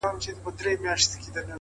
خو وخته لا مړ سوى دی ژوندى نـه دی،